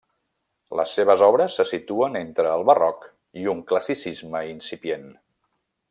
Les seves obres se situen entre el Barroc i un Classicisme incipient.